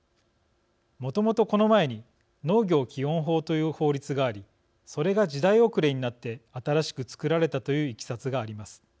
もともと、この前に農業基本法という法律がありそれが時代遅れになって新しく作られたといういきさつがあります。